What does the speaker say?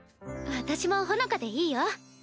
私もほのかでいいよ。